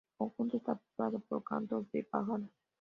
El conjunto está poblado por cantos de pájaros".